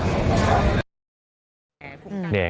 เดคุณอาจารย์